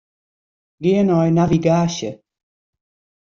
Gean nei navigaasje.